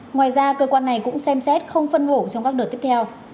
ngoài ra cơ quan này cũng xem xét không phân bổ trong các đợt tiếp theo